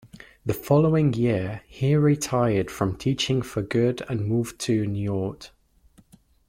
The following year, he retired from teaching for good and moved to Niort.